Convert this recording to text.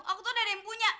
aku itu ada yang punya